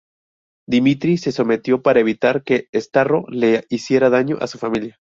Dmitri se sometió para evitar que Starro le hiciera daño a su familia.